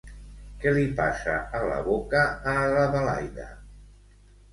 Què li passa a la boca a l'Adelaida?